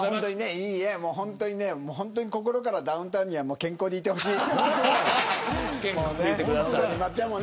本当に心からダウンタウンには健康でいてほしい。